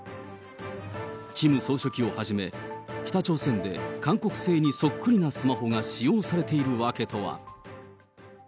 キム総書記をはじめ、北朝鮮で韓国製にそっくりなスマホが使用されているわけとは。